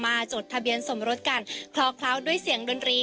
จดทะเบียนสมรสกันคลอเคล้าด้วยเสียงดนตรี